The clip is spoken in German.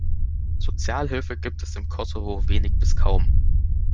Sozialhilfe gibt es im Kosovo wenig bis kaum.